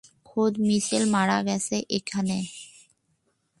খোদ মিচেল মারা গেছে এখানে!